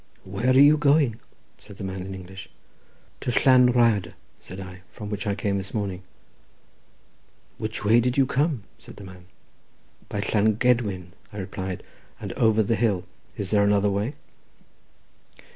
"Where are you going?" said the man in English. "To Llan Rhyadr," said I, "from which I came this morning." "Which way did you come?" said the man. "By Llan Gedwin," I replied, "and over the hill. Is there another way?"